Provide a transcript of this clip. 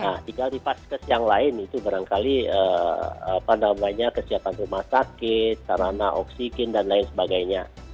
nah jika di faskes yang lain itu barangkali pandangannya kesiapan rumah sakit sarana oksigen dan lain sebagainya